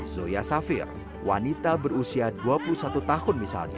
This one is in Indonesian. zoya safir wanita berusia dua puluh satu tahun misalnya